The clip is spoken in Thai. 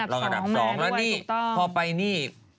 แล้วนี่พอไปนี่